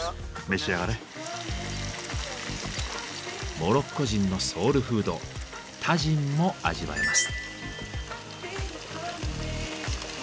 モロッコ人のソウルフードタジンも味わえます。